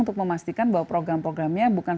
untuk memastikan bahwa program programnya bukan